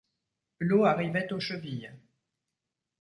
L’eau arrivait aux chevilles.